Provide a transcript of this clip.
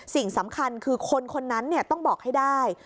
สิ่งสำคัญคือคนคนนั้นต้องบอกให้ได้